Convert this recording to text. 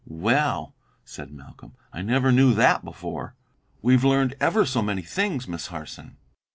"Well!" said Malcolm; "I never knew that before. We've learned ever so many things, Miss Harson."